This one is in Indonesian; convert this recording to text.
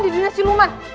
di dunia siluman